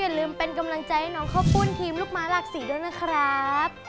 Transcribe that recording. ลืมเป็นกำลังใจให้น้องข้าวปุ้นทีมลูกม้าหลากสีด้วยนะครับ